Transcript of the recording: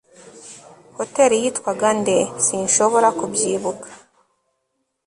hoteri yitwaga nde? sinshobora kubyibuka